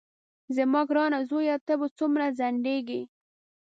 زما ګرانه زویه ته به څومره ځنډېږې.